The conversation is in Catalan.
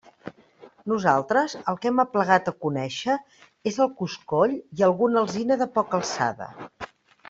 Nosaltres el que hem aplegat a conéixer és el coscoll i alguna alzina de poca alçada.